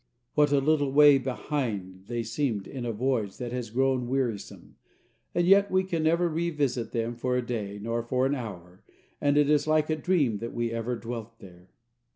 What a little way behind they seem in the voyage that has grown wearisome, and yet we can never revisit them for a day nor for an hour, and it is like a dream that we ever dwelt there.